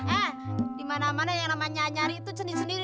eh dimana mana yang namanya nyari itu sendiri sendiri